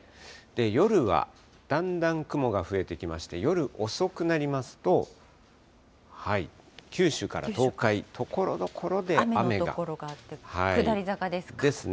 夜はだんだん雲が増えてきまして、夜遅くなりますと、九州から東海、雨の所があって、下り坂ですですね。